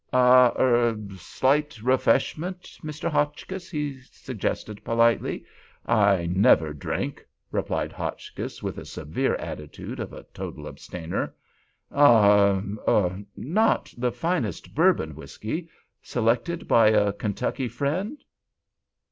"A—er—slight refreshment, Mr. Hotchkiss," he suggested, politely. "I never drink," replied Hotchkiss, with the severe attitude of a total abstainer. "Ah—er—not the finest bourbon whiskey, selected by a Kentucky friend?